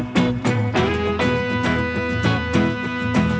lo jangan ikut campur lo